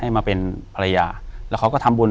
มาเป็นภรรยาแล้วเขาก็ทำบุญ